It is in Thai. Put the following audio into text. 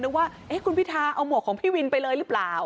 ว่าคุณพิทาเอาหมวกของพี่วินไปเลยหรือเปล่า